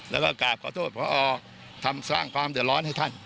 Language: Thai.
แล้วก็กราบขอโทษพอทำสร้างความเดือดร้อนให้ท่าน